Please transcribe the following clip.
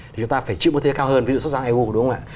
thì chúng ta phải chịu mức thêm cao hơn ví dụ xuất xứ eu đúng không ạ